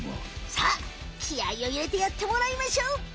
さあきあいをいれてやってもらいましょう。